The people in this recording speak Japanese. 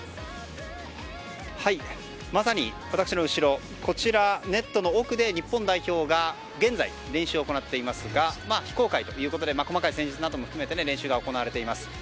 まさに私の後ろこちら、ネットの奥で日本代表が現在、練習を行っていますが非公開ということで細かい戦術なども含めて練習が行われています。